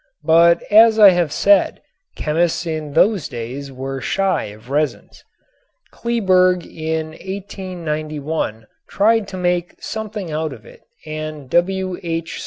But as I have said, chemists in those days were shy of resins. Kleeberg in 1891 tried to make something out of it and W.H.